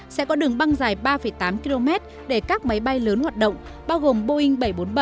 sẽ có đường băng dài ba tám km để các máy bay lớn hoạt động bao gồm boeing bảy trăm bốn mươi bảy